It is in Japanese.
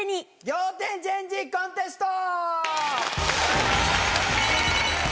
仰天チェンジコンテスト！